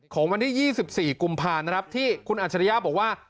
ของวันที่๒๔กุมภานะครับที่คุณอัจฉริยะบอกว่า